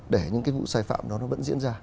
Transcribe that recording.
để những cái vụ sai phạm đó nó vẫn diễn ra